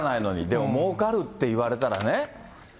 でも、もうかるって言われたらね。